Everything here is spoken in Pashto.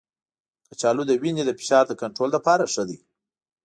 کچالو د وینې د فشار د کنټرول لپاره ښه دی.